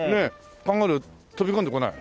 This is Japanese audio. カンガルー跳び込んでこない？